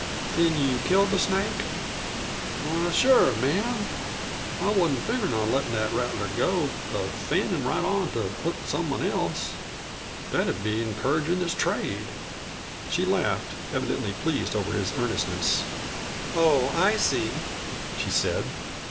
"Then you killed the snake?" "Why sure, ma'am. I wasn't figgerin' to let that rattler go a fannin' right on to hook someone else. That'd be encouragin' his trade." She laughed, evidently pleased over his earnestness. "Oh, I see," she said.